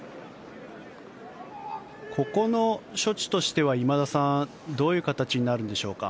ここの処置としては今田さんどういう形になるんでしょうか？